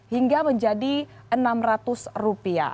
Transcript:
hingga menjadi rp enam ratus